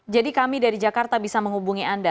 jadi kami dari jakarta bisa menghubungi anda